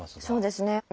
そうですね。